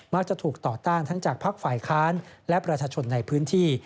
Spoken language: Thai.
จะถูกต่อต้านทั้งจากภักดิ์ฝ่ายค้านและประชาชนในพื้นที่